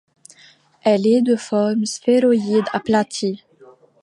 Elle est de forme sphéroïde-aplatie.